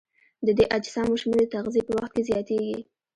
د دې اجسامو شمېر د تغذیې په وخت کې زیاتیږي.